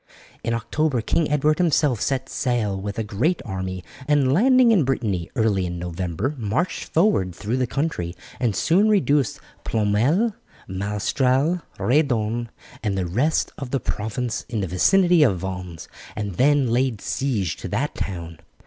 In October King Edward himself set sail with a great army, and landing in Brittany early in November marched forward through the country and soon reduced Ploermel, Malestrail, Redon, and the rest of the province in the vicinity of Vannes, and then laid siege to that town.